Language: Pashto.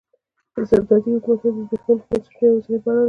استبدادي حکومت د زبېښونکو بنسټونو یوازینۍ بڼه نه ده.